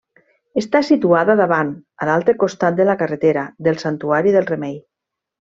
Està situada davant, a l'altre costat de la carretera, del Santuari del Remei.